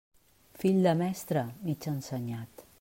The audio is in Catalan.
Fill de mestre, mig ensenyat.